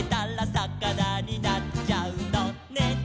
「さかなになっちゃうのね」